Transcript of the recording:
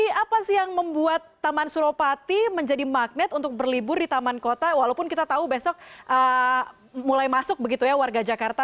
tapi apa sih yang membuat taman suropati menjadi magnet untuk berlibur di taman kota walaupun kita tahu besok mulai masuk begitu ya warga jakarta